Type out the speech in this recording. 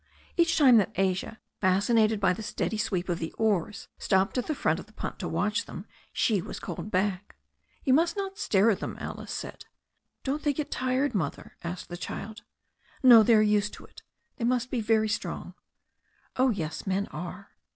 Each time that Asia, fascinated by the steady sweep of i6 THE STORY OF A NEW ZEALAND RIVER the oars, stopped at the front of the punt to watch them, she was called back. "You must not stare at them," Alice said. "Don't they get tired, mother?" asked the child. "No, they are used to it." "They must be very strong." "Oh, yes, men are."